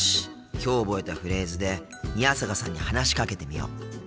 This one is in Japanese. きょう覚えたフレーズで宮坂さんに話しかけてみよう。